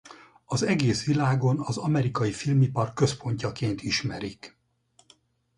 Az egész világon az amerikai filmipar központjaként ismerik.